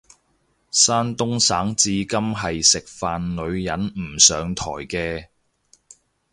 山東省至今係食飯女人唔上枱嘅